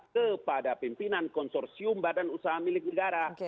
kepada pimpinan konsorsium badan usaha milik negara